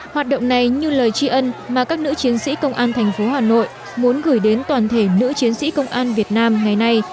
hoạt động này như lời tri ân mà các nữ chiến sĩ công an thành phố hà nội muốn gửi đến toàn thể nữ chiến sĩ công an việt nam ngày nay